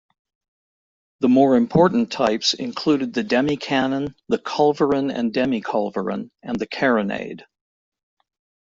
The more important types included the Demi-cannon, the Culverin and Demi-culverin, and the Carronade.